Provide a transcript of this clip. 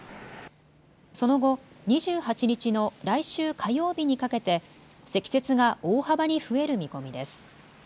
その後、２８日の来週火曜日にかけて積雪が大幅に増える見込みです。